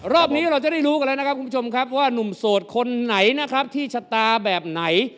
รอบนี้เราจะได้รู้กันแล้วนะครับคุณผู้ชมครับว่านุ่มโสดคนไหนนะครับที่ชะตาแบบไหน